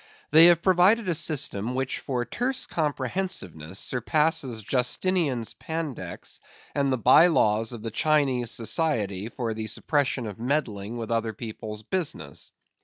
They have provided a system which for terse comprehensiveness surpasses Justinian's Pandects and the By laws of the Chinese Society for the Suppression of Meddling with other People's Business.